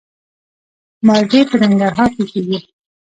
مالټې په ننګرهار کې کیږي